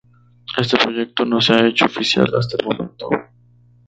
Este proyecto no se ha hecho oficial hasta el momento.